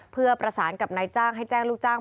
เพื่อประสานกับนายจ้างให้แจ้งลูกจ้าง